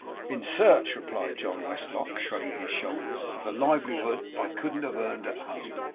'In search,' replied John Westlock, shrugging his shoulders, 'of the livelihood I couldn't have earned at home.